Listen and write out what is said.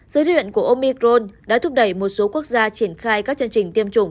dưới dự định của omicron đã thúc đẩy một số quốc gia triển khai các chương trình tiêm chủng